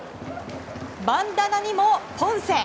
バンダナにもポンセ。